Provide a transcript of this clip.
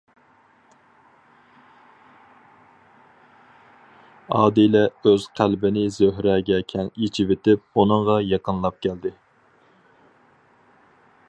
ئادىلە ئۆز قەلبىنى زۆھرەگە كەڭ ئېچىۋېتىپ ئۇنىڭغا يېقىنلاپ كەلدى.